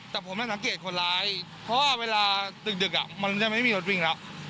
แต่ผมไม่สังเกตคนร้ายเพราะว่าเวลาดึกมันจะไม่มีรถวิ่งแล้ว